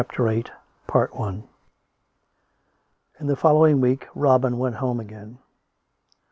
CHAPTER VIII In the following week Robin went home again.